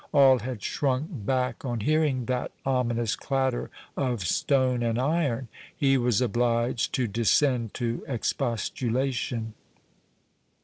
All had shrunk back on hearing that ominous clatter of stone and iron. He was obliged to descend to expostulation.